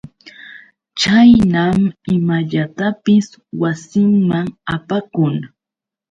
Chaynam imallatapis wasinman apakun.